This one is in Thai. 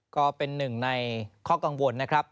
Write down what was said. ก็เป็นหนึ่งในข้อกังวลนะครับ